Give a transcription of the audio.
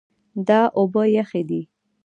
دا اوبه یخې دي.